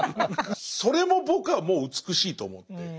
それも僕はもう美しいと思って。